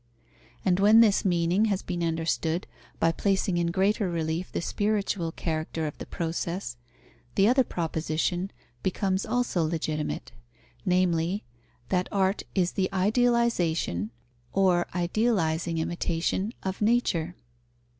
And when this meaning has been understood, by placing in greater relief the spiritual character of the process, the other proposition becomes also legitimate: namely, that art is the idealization or idealizing imitation of nature.